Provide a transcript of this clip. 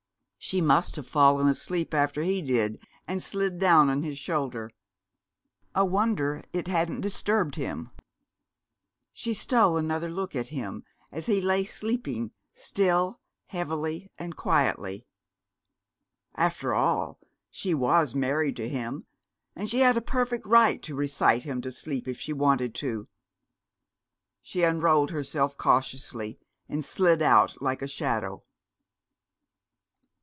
She must have fallen asleep after he did, and slid down on his shoulder. A wonder it hadn't disturbed him! She stole another look at him, as he lay sleeping still, heavily and quietly. After all, she was married to him, and she had a perfect right to recite him to sleep if she wanted to. She unrolled herself cautiously, and slid out like a shadow.